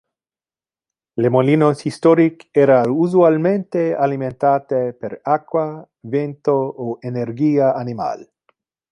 Le molinos historic era usualmente alimentate per aqua, vento o energia animal.